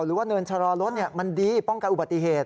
หรือว่าเนินชะลอรถมันดีป้องกันอุบัติเหตุ